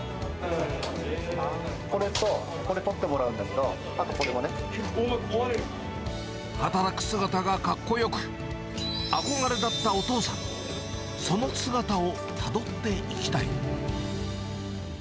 これとこれ、取ってもらうん働く姿がかっこよく、憧れだったお父さん、その姿をたどっていきたい。